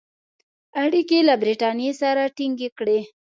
اړیکي له برټانیې سره تینګ کړي.